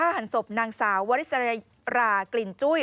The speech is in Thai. หันศพนางสาววริสรปรากลิ่นจุ้ย